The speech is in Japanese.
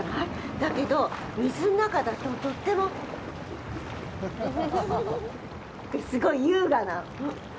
だけど、水の中だと、とってもって、すごい優雅な。